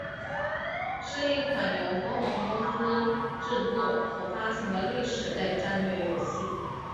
是一款由光荣公司制作和发行的历史类战略游戏。